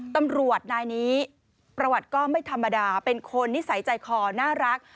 ตำรวจนายนี้ประวัติก็ไม่ธรรมดาเป็นคนนิสัยใจคอน่ารัก